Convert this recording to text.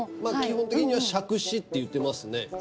まあ基本的には「杓子」っていってますね